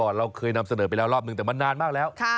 เราเคยนำเสนอไปแล้วรอบนึงแต่มันนานมากแล้ว